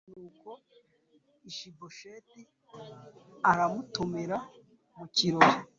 Nuko Ishibosheti aramutumira mu kirori